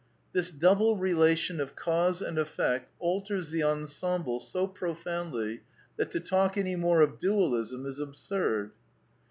This double relation of cause and effect alters the ensemble so profoundly that to talk any more of dualism is absurd.